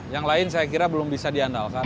yang lain saya kira belum bisa diandalkan